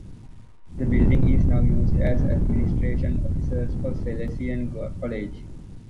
The building is now used as administration offices for Salesian College.